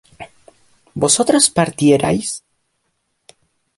¿vosotros partierais?